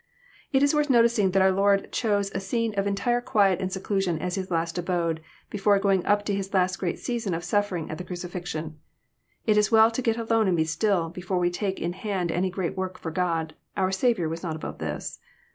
It is worth noticing that our Lord chose a scene of entire quiet and seclusion as His last abode, before going up to His last great season of suffering at the crucifixion. It is well to get alone and be still, before we take in hand any great work for God. Our Saviour was not above this.